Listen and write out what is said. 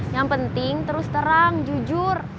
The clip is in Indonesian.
yang penting terus terang jujur